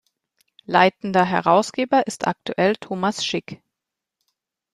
Leitender Herausgeber ist aktuell Thomas Schick.